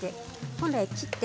本来は切って。